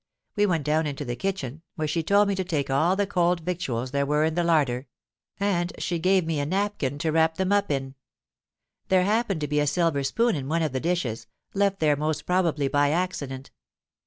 We went down into the kitchen, where she told me to take all the cold victuals there were in the larder; and she gave me a napkin to wrap them up in. There happened to be a silver spoon in one of the dishes—left there most probably by accident.